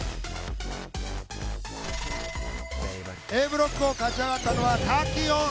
Ａブロックを勝ち上がったのは滝音。